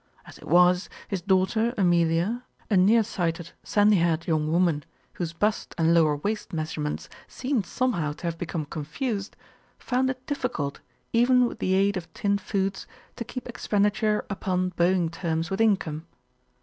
As it was, his daughter, Amelia, a near sighted, sandy haired young woman, whose bust and lower waist measure ments seemed somehow to have become confused, found it difficult, even with the aid of tinned foods, to keep expenditure upon bowing terms with income.